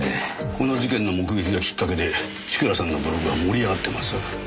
この事件の目撃がきっかけで千倉さんのブログが盛り上がってます。